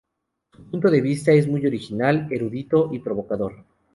Su punto de vista es muy original, erudito y provocador.